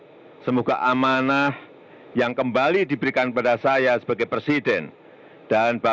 untuk mewujudkan pembangunan yang adil pembangunan yang merata demi keadaan sosial bagi seluruh rakyat indonesia